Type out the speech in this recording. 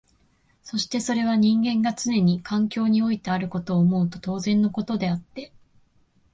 そしてそれは人間がつねに環境においてあることを思うと当然のことであって、